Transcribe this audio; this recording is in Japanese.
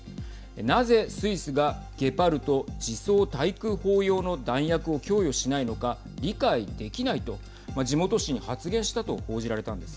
なぜスイスがゲパルト自走対空砲用の弾薬を供与しないのか理解できないと地元紙に発言したと報じられたんです。